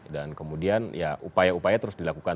dan kemudian upaya upaya terus dilakukan